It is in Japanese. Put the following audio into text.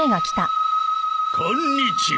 こんにちは。